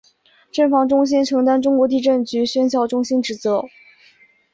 震防中心承担中国地震局宣教中心职责。